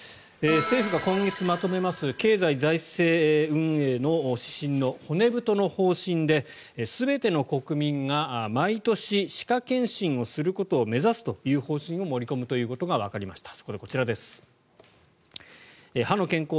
政府が今月まとめます経済財政運営の指針の骨太の方針で全ての国民が毎年歯科検診をすることを目指すという方針を盛り込むということがわかりました。